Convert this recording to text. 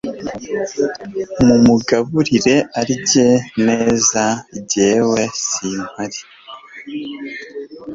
mumugaburire arye neza gewe simpari